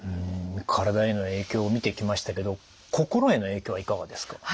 体への影響を見てきましたけど心への影響はいかがですか？